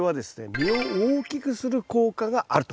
実を大きくする効果があると。